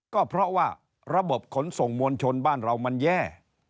ก็เพราะว่าระบบขนส่งมวลชนบ้านเรามันแย่